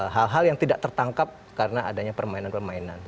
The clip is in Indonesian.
hal hal yang tidak tertangkap karena adanya permainan permainan